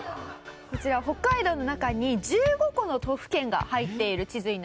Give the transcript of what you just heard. こちら北海道の中に１５個の都府県が入っている地図になります。